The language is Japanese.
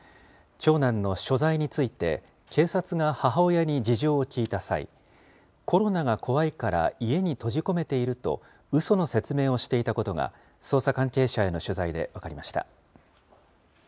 長男の所在について、警察が母親に事情を聴いた際、コロナが怖いから家に閉じ込めていると、うその説明をしていたことが、捜査関係者への取材で分かりました。